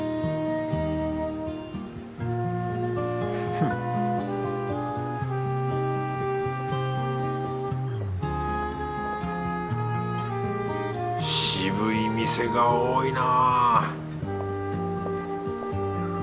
フッ渋い店が多いな